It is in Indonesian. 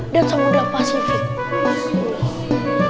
dan samudera pasifik